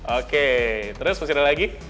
oke terus masih ada lagi